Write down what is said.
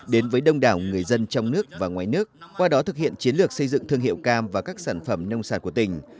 đến với đông đảo người dân trong nước và ngoài nước qua đó thực hiện chiến lược xây dựng thương hiệu cam và các sản phẩm nông sản của tỉnh